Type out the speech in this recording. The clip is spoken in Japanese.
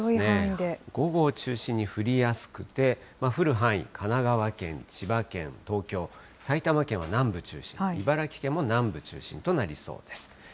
午後を中心に降りやすくて、降る範囲、神奈川県、千葉県、東京、埼玉県は南部中心に、茨城県も南部中心となりそうです。